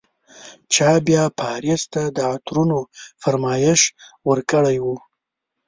چا بیا پاریس ته د عطرونو فرمایش ورکړی و.